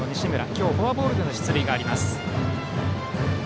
今日はフォアボールでの出塁があります。